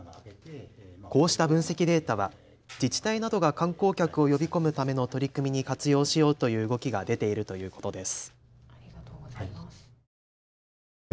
こうした分析データは自治体などが観光客を呼び込むための取り組みに活用しようという動きが出ているということです。